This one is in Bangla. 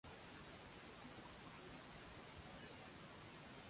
রয়েছে শিল্পকারখানা সহ উল্লেখযোগ্য প্রতিষ্ঠান।